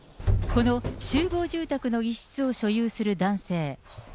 この集合住宅の一室を所有する男性。